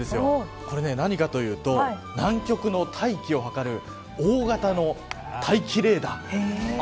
これ何かというと南極の大気を測る大型の大気レーダー。